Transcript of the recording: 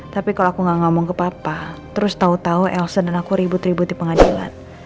tapi kalau aku gak ngomong ke papa terus tau tau elsen dan aku ribut ribut di pengadilan